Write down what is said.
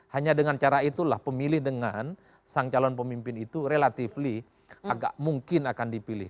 hanya dengan cara itulah pemilih dengan sang calon pemimpin itu relatif agak mungkin akan dipilih